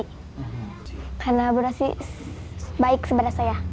karena bu rosi baik sebagai saya